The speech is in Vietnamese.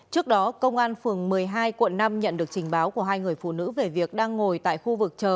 trước đó công an phường một mươi hai quận năm nhận được trình báo của hai người phụ nữ về việc đang ngồi tại khu vực chờ